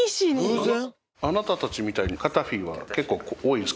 偶然？